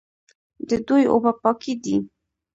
د دوی اوبه پاکې دي.